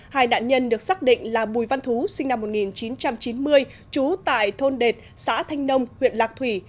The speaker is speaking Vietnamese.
hai nạn nhân được xác định là bùi văn thú sinh năm một nghìn chín trăm chín mươi trú tại thôn đệt xã thanh nông huyện lạc thủy